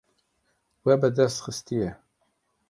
We bi dest xistiye.